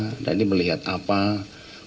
keberadaan saksi di rumah wilayah ini ya